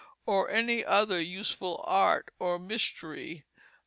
or any other useful art or mystery."